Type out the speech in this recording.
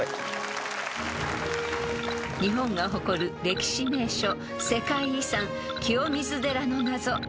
［日本が誇る歴史名所世界遺産清水寺の謎］